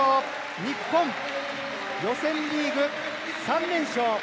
日本、予選リーグ３連勝！